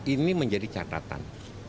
ini menjadi catatan